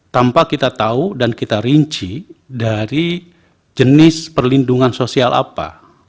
tanpa kita tahu dan kita rinci dari jenis perlindungan sosial apa